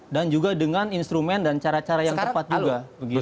dan juga dengan instrumen dan cara cara yang tepat juga